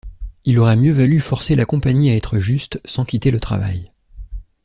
Il aurait mieux valu forcer la Compagnie à être juste, sans quitter le travail.